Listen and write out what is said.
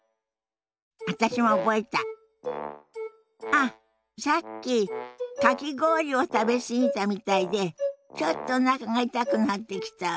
あっさっきかき氷を食べ過ぎたみたいでちょっとおなかが痛くなってきたわ。